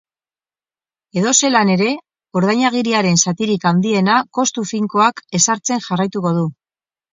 Edozelan ere, ordainagiriaren zatirik handiena kostu finkoak ezartzen jarraituko du.